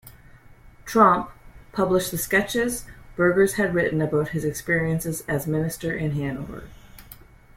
Tromp, published the sketches Burgers had written about his experiences as minister in Hanover.